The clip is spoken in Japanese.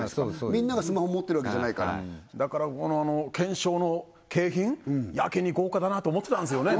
みんながスマホ持ってるわけじゃないからだから懸賞の景品やけに豪華だなと思ってたんですよね